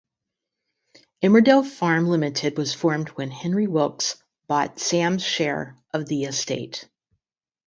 Emmerdale Farm Limited was formed when Henry Wilks bought Sam's share of the estate.